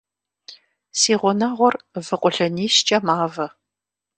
Си гъунэгъур вы къуэлэнищкӀэ мавэ.